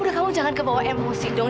udah kamu jangan kebawa emosi dong